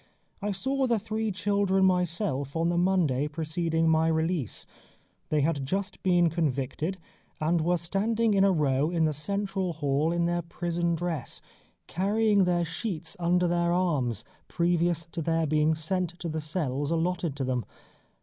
I saw the three children myself on the Monday preceding my release. They had just been convicted, and were standing in a row in the central hall in their prison dress, carrying their sheets under the arms previous to their being sent to the cells allotted to them.